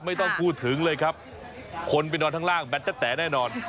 ไม่ต้องพูดถึงเลยครับคนไปนอนข้างล่างแทตะแต๋แน่นอน